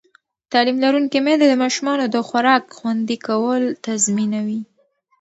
تعلیم لرونکې میندې د ماشومانو د خوراک خوندي کول تضمینوي.